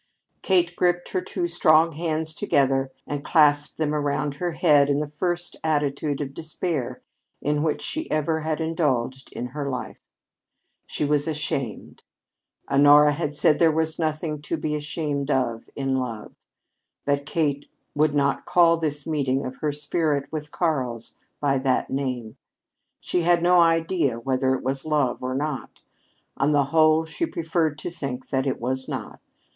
Kate gripped her two strong hands together and clasped them about her head in the first attitude of despair in which she ever had indulged in her life. She was ashamed! Honora had said there was nothing to be ashamed of in love. But Kate would not call this meeting of her spirit with Karl's by that name. She had no idea whether it was love or not. On the whole, she preferred to think that it was not.